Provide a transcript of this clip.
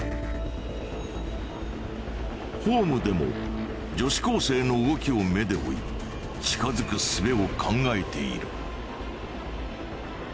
ホームでも女子高生の動きを目で追い近づくすべを考えている。